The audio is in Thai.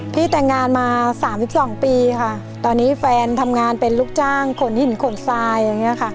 พี่แต่งงานมา๓๒ปีค่ะตอนนี้แฟนทำงานเป็นลูกจ้างขนหินขนทรายอย่างนี้ค่ะ